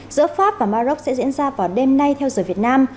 giữa pháp và maroc sẽ diễn ra vào đêm nay theo giờ việt nam